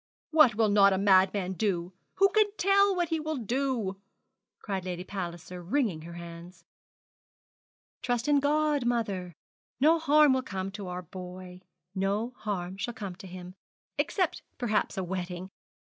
'What will not a madman do? Who can tell what he will do?' cried Lady Palliser, wringing her hands. 'Trust in God, mother; no harm will come to our boy. No harm shall come to him except perhaps a wetting.